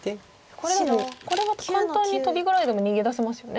これでもこれは簡単にトビぐらいでも逃げ出せますよね。